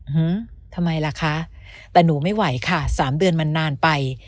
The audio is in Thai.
อืมทำไมล่ะคะแต่หนูไม่ไหวค่ะสามเดือนมันนานไป